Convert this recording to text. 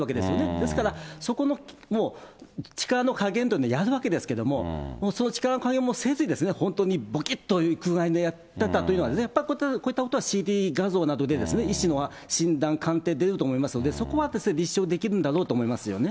ですから、そこの力の加減というのはやるわけですけれども、その力の加減もせずに本当にぼきっという具合にやったということは、こういったことはＣＴ画像などで医師の診断、鑑定出ると思いますので、そこは立証できるんだろうと思いますよね。